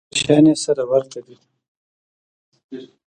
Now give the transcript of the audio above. ډېر شیان یې سره ورته دي.